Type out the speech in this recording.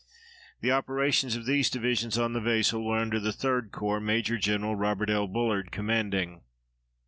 The operations of these divisions on the Vesle were under the 3d Corps, Major Gen. Robert L. Bullard commanding.